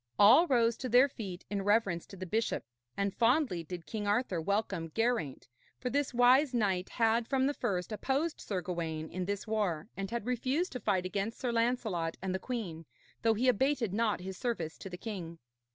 All rose to their feet in reverence to the bishop, and fondly did King Arthur welcome Geraint, for this wise knight had from the first opposed Sir Gawaine in this war, and had refused to fight against Sir Lancelot and the queen, though he abated not his service to the king.